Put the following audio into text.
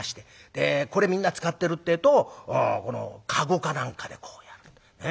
でこれみんな使ってるってえとこの籠かなんかでこうやる。